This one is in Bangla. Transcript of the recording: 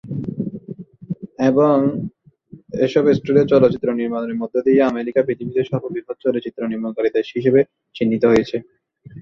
এবং এসব স্টুডিওর চলচ্চিত্র নির্মাণের মধ্য দিয়ে আমেরিকা পৃথিবীতে সর্ববৃহৎ চলচ্চিত্র নির্মাণকারী দেশ হিসেবে চিহ্নিত হয়েছে।